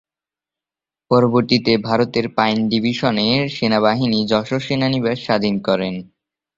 পরবর্তীতে ভারতের পাইন ডিভিশনের সেনাবাহিনী যশোর সেনানিবাস স্বাধীন করে।